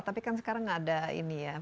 tapi kan sekarang ada ini ya